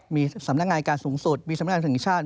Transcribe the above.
มีสำนักงานการสูงสุดมีสำนักงานแห่งชาติ